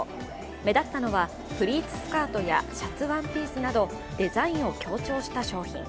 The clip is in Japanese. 目立ったのは、プリーツスカートやシャツワンピースなどデザインを強調した商品。